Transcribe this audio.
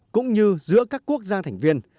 cũng như giữa các quốc gia thành viên